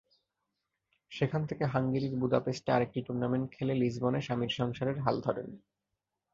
সেখান থেকে হাঙ্গেরির বুদাপেস্টে আরেকটি টুর্নামেন্টে খেলে লিসবনে স্বামীর সংসারের হাল ধরেন।